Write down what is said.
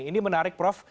ini menarik prof